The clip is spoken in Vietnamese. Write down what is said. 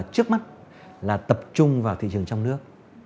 trước mắt là tập trung vào thị trường trong nước